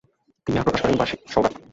তিনি আরও প্রকাশ করেন বার্ষিক সওগাত।